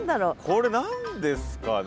これ何ですかね？